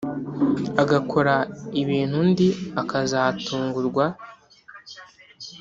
agakora ibintu undi akazatungurwa